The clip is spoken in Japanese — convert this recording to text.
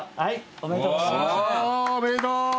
おおめでとう。